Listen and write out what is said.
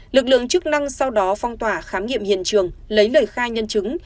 lực lượng chức năng sau đó phong tỏa khám nghiệm hiện trường lấy lời khai nhân chứng